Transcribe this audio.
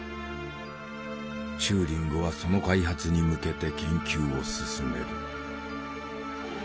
チューリングはその開発に向けて研究を進める。